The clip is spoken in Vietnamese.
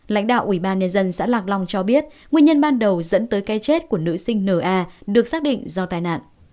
lãnh đạo ubnd xã lạc long cho biết nguyên nhân ban đầu dẫn tới cái chết của nữ sinh na được xác định do tai nạn